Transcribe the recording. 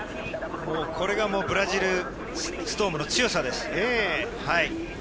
これがブラジルストームの強さです。